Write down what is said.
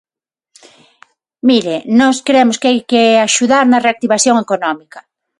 Mire, nós cremos que hai que axudar na reactivación económica.